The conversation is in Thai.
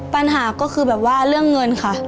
ปัญหาก็คือแบบว่าเรื่องเงินค่ะ